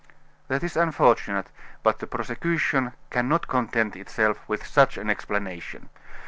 "That is unfortunate, but the prosecution can not content itself with such an explanation.